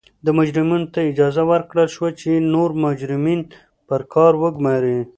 مجرمینو ته اجازه ورکړل شوه چې نور مجرمین پر کار وګوماري.